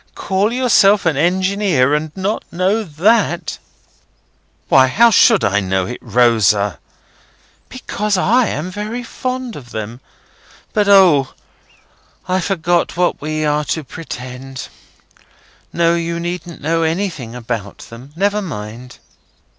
Call yourself an Engineer, and not know that?" "Why, how should I know it, Rosa?" "Because I am very fond of them. But O! I forgot what we are to pretend. No, you needn't know anything about them; never mind."